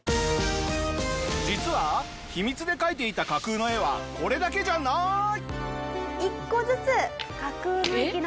実は秘密で描いていた架空の絵はこれだけじゃない！一覧！？